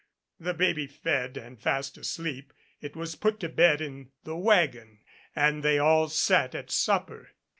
The baby fed and fast asleep, it was put to bed in the wagon and they all sat at supper.